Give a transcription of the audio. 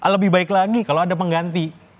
lebih baik lagi kalau ada pengganti